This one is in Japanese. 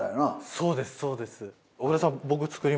そうですそうです。